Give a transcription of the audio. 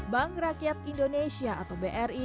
bank rakyat indonesia atau bri